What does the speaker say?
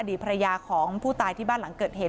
ดีภรรยาของผู้ตายที่บ้านหลังเกิดเหตุ